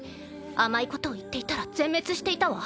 甘いことを言っていたら全滅していたわ。